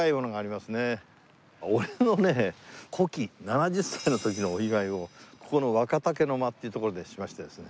俺のね古希７０歳の時のお祝いをここの若竹の間っていう所でしましてですね。